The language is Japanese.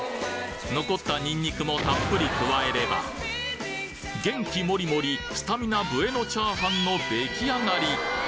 残ったニンニクもたっぷり加えれば元気モリモリスタミナブエノチャーハンの出来上がり！